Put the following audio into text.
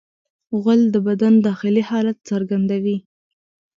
غول د بدن داخلي حالت څرګندوي.